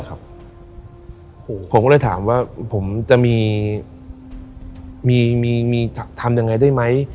ผมก็เลยถามว่าผมจะมีทำยังไงได้ไหม